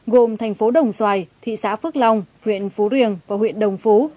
gồm thành phố đồng xoài thị xã phước long huyện phú riềng và huyện đồng phú